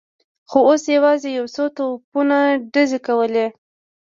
خو اوس یوازې یو څو توپونو ډزې کولې.